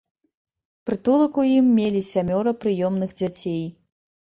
Прытулак у ім мелі сямёра прыёмных дзяцей.